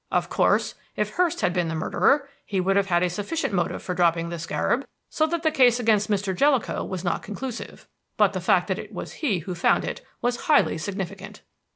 "Of course, if Hurst had been the murderer, he would have had a sufficient motive for dropping the scarab, so that the case against Mr. Jellicoe was not conclusive; but the fact that it was he who found it was highly significant.